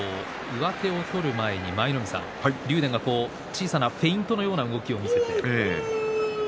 上手を取る前に、舞の海さん竜電が小さなフェイントのような動きを見せました。